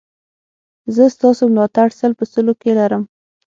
زه ستاسو ملاتړ سل په سلو کې لرم